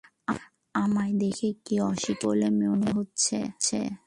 আমায় দেখে কি অশিক্ষিত বলে মনে হচ্ছে?